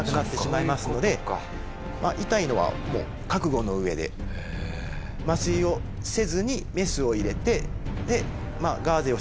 痛いのはもう覚悟の上で麻酔をせずにメスを入れてまあガーゼをして。